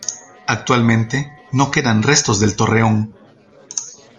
Actualmente no quedan restos del torreón.